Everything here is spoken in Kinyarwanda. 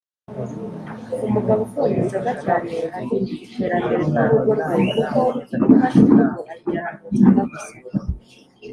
Umugabo ukunda inzoga cyane adindiza iteramberer ryurugo rwe kuko ibifasha urugo abijyana munzoga gusa.